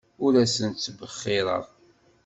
Ur asent-ttbexxireɣ.